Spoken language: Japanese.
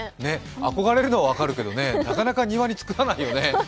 憧れるのは分かるけどね、なかなか庭に作らないよね。